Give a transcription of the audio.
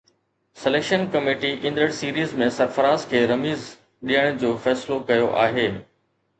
selection committee ايندڙ series ۾ Sarfaraz کي رميز ڏيڻ جو فيصلو ڪيو آهي